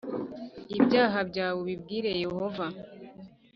Ibyaha byawe ubibwire Yehova.